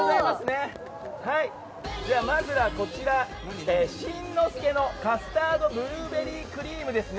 まずはこちら、しんのすけのカスタードブルーベリークリームです。